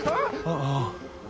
ああ！